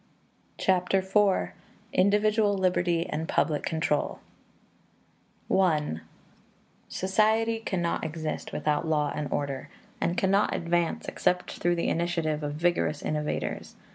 Chapter IV: Individual Liberty and Public Control I Society cannot exist without law and order, and cannot advance except through the initiative of vigorous innovators.